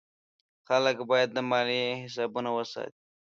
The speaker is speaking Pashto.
خلک باید د مالیې حسابونه وساتي.